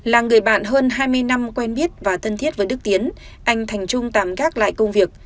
là người bạn hơn hai mươi năm quen biết và thân thiết với đức tiến anh thành trung tạm gác lại công việc